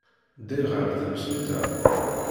Ddiɣ ɣer temsulta.